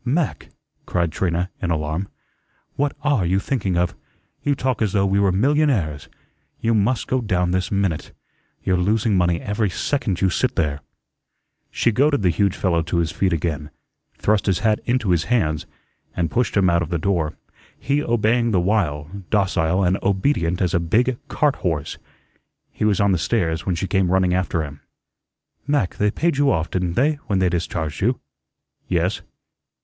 "Mac," cried Trina, in alarm, "what are you thinking of? You talk as though we were millionaires. You must go down this minute. You're losing money every second you sit there." She goaded the huge fellow to his feet again, thrust his hat into his hands, and pushed him out of the door, he obeying the while, docile and obedient as a big cart horse. He was on the stairs when she came running after him. "Mac, they paid you off, didn't they, when they discharged you?" "Yes."